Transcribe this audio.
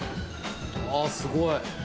あすごい。